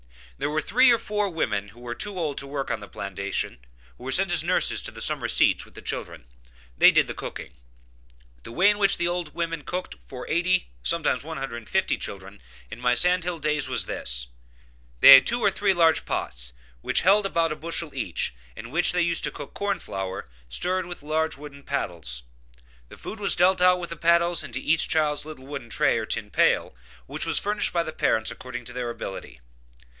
There were three or four women who were too old to work on the plantation who were sent as nurses to the summer seats with the children; they did the cooking. The way in which these old women cooked for 80, and sometimes 150 children, in my sand hill days, was this: they had two or three large pots, which held about a bushel each, in which they used to cook corn flour, stirred with large wooden paddles. The food was dealt out with the paddles into each child's little wooden tray or tin pail, which was furnished by the parents according to their ability.